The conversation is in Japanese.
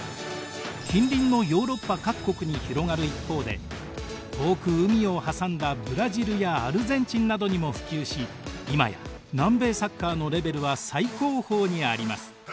近隣のヨーロッパ各国に広がる一方で遠く海を挟んだブラジルやアルゼンチンなどにも普及し今や南米サッカーのレベルは最高峰にあります。